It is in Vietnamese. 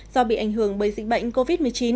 do bị ảnh hưởng bởi dịch bệnh covid một mươi chín